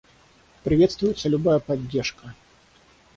Приветствуется любая поддержка.